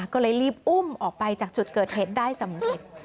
ก็เลยรีบอุ้มออกไปจากจุดเกิดเหตุได้สำเร็จ